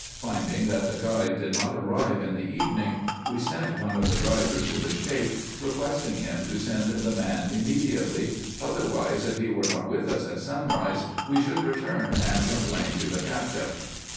Find ing that the guide did not arrive in the evening, we sent one of the drivers to the Sheik, requesting him to send the man immediately, otherwise, if he were not with us at sunrise, we should return, and complain to the Cacheff.